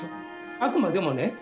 あくまでもね